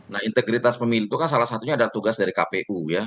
nah integritas pemilu kan salah satunya ada tugas dari kpu ya